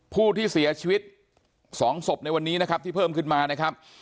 ผู้ที่เสียชีวิต๒ศพในวันนี้นะครับที่เพิ่มขึ้นมานะครับ